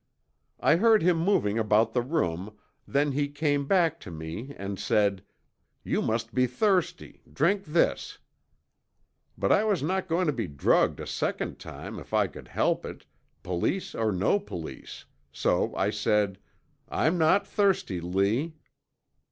"I heard him moving around the room, then he came back to me and said, 'You must be thirsty. Drink this.' "But I was not going to be drugged a second time if I could help it, police or no police, so I said, 'I'm not thirsty, Lee.'